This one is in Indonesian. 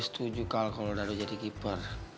setuju kalau jadi keeper